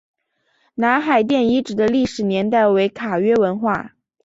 南海殿遗址的历史年代为卡约文化。